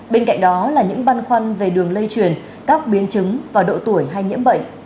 bên cạnh đó là những băn khoăn về đường lây truyền các biến chứng và độ tuổi hay nhiễm bệnh